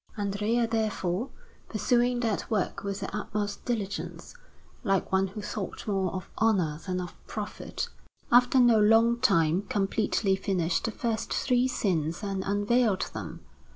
Andrea, therefore, pursuing that work with the utmost diligence, like one who thought more of honour than of profit, after no long time completely finished the first three scenes and unveiled them.